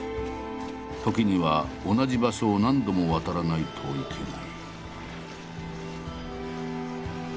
時には同じ場所を何度も渡らないといけない。